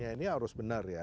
ini harus benar ya